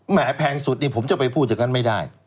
แพงสุดนี่ผมจะไปพูดอย่างนั้นไม่ได้